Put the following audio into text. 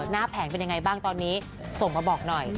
แผงเป็นยังไงบ้างตอนนี้ส่งมาบอกหน่อย